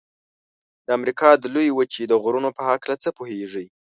د امریکا د لویې وچې د غرونو په هکله څه پوهیږئ؟